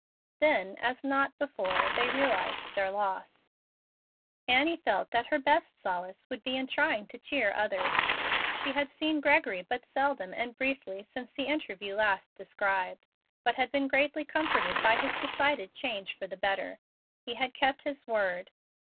Then, as not before, they realized their loss. Annie felt that her best solace would be in trying to cheer others. She had seen Gregory but seldom and briefly since the interview last described, but had been greatly comforted by his decided change for the better. He had kept his word.